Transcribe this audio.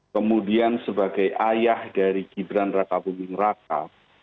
kemudian sebagai ayah dari gibran raka buming raka